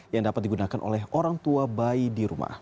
yang dapat digunakan oleh orang tua bayi di rumah